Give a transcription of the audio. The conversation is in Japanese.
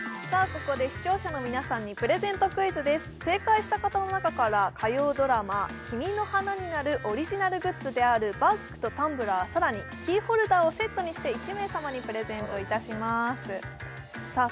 ここで視聴者の皆さんにプレゼントクイズです正解した方の中から火曜ドラマ「君の花になる」オリジナルグッズであるバッグとタンブラー更にキーホルダーをセットにして１名様にプレゼントいたしますさあ